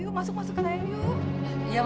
yuk masuk masukin saya yuk